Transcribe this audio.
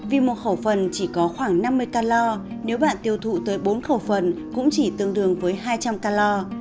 vì một khẩu phần chỉ có khoảng năm mươi calor nếu bạn tiêu thụ tới bốn khẩu phần cũng chỉ tương đương với hai trăm linh calor